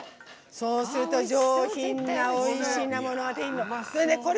そうすると上品なおいしなものができるの。